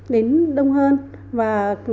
đến đông hơn và